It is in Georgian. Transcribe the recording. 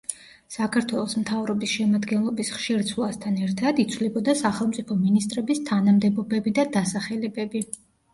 საქართველოს მთავრობის შემადგენლობის ხშირ ცვლასთან ერთად იცვლებოდა სახელმწიფო მინისტრების თანამდებობები და დასახელებები.